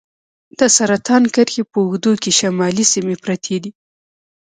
د سرطان کرښې په اوږدو کې شمالي سیمې پرتې دي.